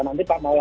nanti pak mau